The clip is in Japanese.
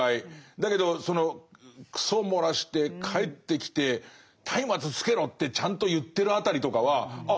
だけどその糞洩らして帰ってきてたいまつつけろってちゃんと言ってるあたりとかはあ